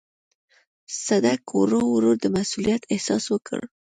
صدک ورو ورو د مسووليت احساس وکړ.